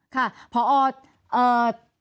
เข้าใจ